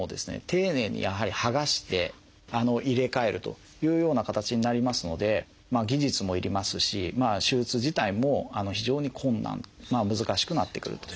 丁寧にやはり剥がして入れ替えるというような形になりますので技術も要りますし手術自体も非常に困難難しくなってくると。